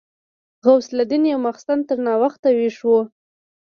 غوث الدين يو ماخستن تر ناوخته ويښ و.